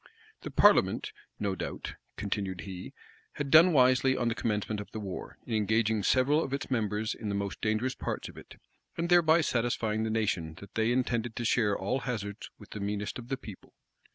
The parliament, no doubt, continued he, had done wisely on the commencement of the war, in engaging several of its members in the most dangerous parts of it, and thereby satisfying the nation that they intended to share all hazards with the meanest of the people.